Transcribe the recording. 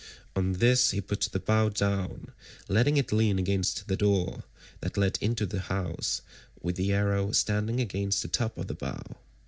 On this he put the bow down, letting it lean against the door [that led into the house] with the arrow standing against the top of the bow.